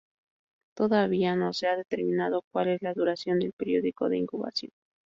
Todavía no se ha determinado cual es la duración del período de incubación.